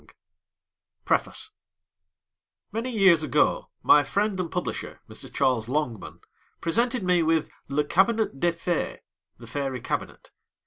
_] PREFACE Many years ago my friend and publisher, Mr. Charles Longman, presented me with Le Cabinet des Fées ('The Fairy Cabinet').